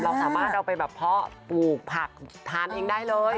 เราสามารถเอาไปแบบเพาะปลูกผักทานเองได้เลย